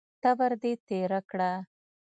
تبر دې تېره کړه!